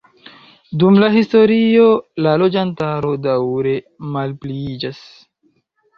Dum la historio la loĝantaro daŭre malpliiĝas.